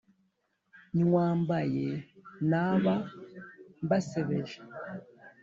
Nywambaye naba mbasebeje